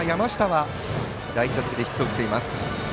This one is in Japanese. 次のバッター、山下は第１打席でヒットを打っています。